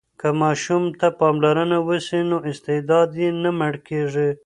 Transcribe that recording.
که ماشوم ته پاملرنه وسي نو استعداد یې نه مړ کېږي.